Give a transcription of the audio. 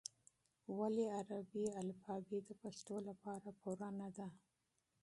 ولې عربي الفبې د پښتو لپاره پوره نه ده؟